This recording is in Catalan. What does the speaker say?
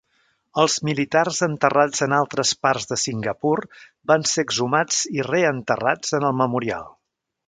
Els militars enterrats en altres parts de Singapur van ser exhumats i reenterrats en el memorial.